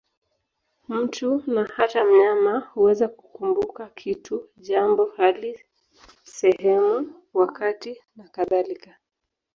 Mtu, na hata mnyama, huweza kukumbuka kitu, jambo, hali, sehemu, wakati nakadhalika.